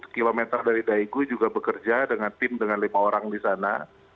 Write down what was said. lima belas km dari daegu juga bekerja dengan tim dengan lima orang di sana